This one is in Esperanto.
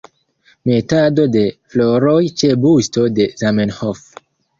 Metado de floroj ĉe busto de Zamenhof.